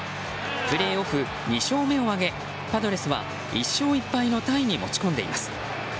プレーオフ２勝目を挙げパドレスは１勝１敗のタイに持ち込んでいます。